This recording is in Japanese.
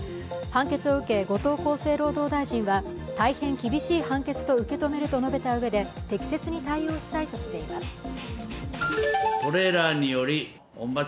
判決を受け後藤厚生労働大臣は大変厳しい判決と受け止めると述べたうえで適切に対応したいとしています。